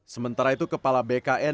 sementara itu kepala bkn bukit jawa